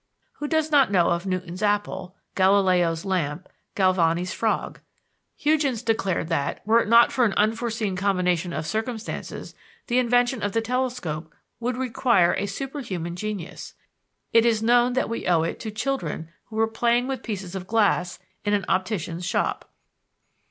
Who does not know of Newton's apple, Galileo's lamp, Galvani's frog? Huygens declared that, were it not for an unforeseen combination of circumstances, the invention of the telescope would require "a superhuman genius;" it is known that we owe it to children who were playing with pieces of glass in an optician's shop.